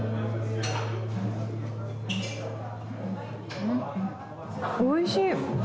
うん、おいしい。